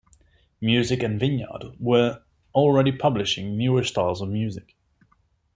Music and Vineyard were already publishing newer styles of music.